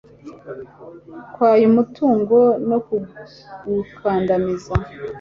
kwaya umutungo no gukandamiza